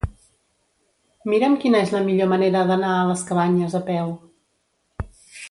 Mira'm quina és la millor manera d'anar a les Cabanyes a peu.